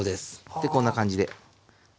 でこんな感じで。